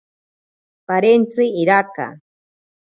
Parentzi iraka.